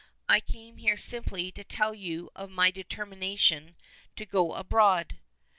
I came here simply to tell you of my determination to go abroad."